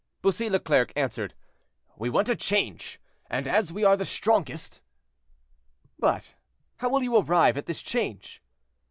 Bussy Leclerc answered, "We want a change, and as we are the strongest—" "But how will you arrive at this change?"